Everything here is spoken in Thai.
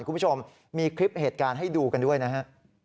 คุณผู้ชมมีคลิปเหตุการณ์ให้ดูกันด้วยนะฮะ